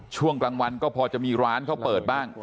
ช่วงกลางวันก็พอจะมีร้านเขาเปิดบ้าง